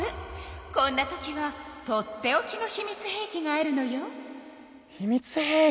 こんなときはとっておきの秘密兵器があるのよ。